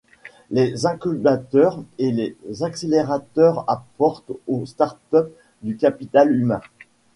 Les incubateurs et les accélérateurs apportent aux startups du capital humain.